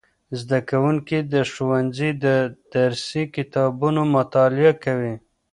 زدهکوونکي د ښوونځي د درسي کتابونو مطالعه کوي.